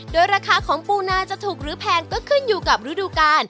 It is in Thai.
โดยราคาของปูนาจะถูกหรือแพงก็ขึ้นอยู่กับฤดูกาล